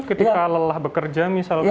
ketika lelah bekerja misalnya